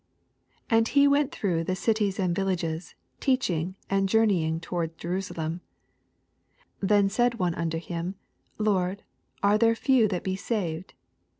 22 And he went throufl^h the cities and villages, teaching, ana journeying toward Jerasalem. 28 Then said one unto him, Lord, are there few that be saved